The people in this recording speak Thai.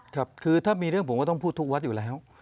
ครับคือถ้ามีเรื่องผมก็ต้องพูดทุกวัดอยู่แล้ว